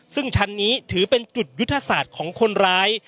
ซึ่งชั้นนี้ถือเป็นจุดยุทธศาสตร์ของคนร้าย